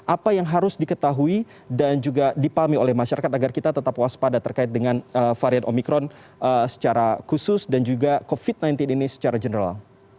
apa yang harus diketahui dan juga dipahami oleh masyarakat agar kita tetap waspada terkait dengan varian omikron secara khusus dan juga covid sembilan belas ini secara general